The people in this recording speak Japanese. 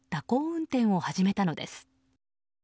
運転を始めたのです。